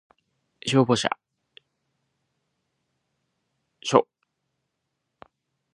消防署